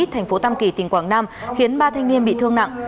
thành phố tam kỳ tỉnh quảng nam khiến ba thanh niên bị thương nặng